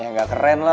ya gak keren lah